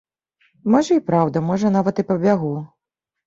Можа, і праўда, можа, нават і пабягу.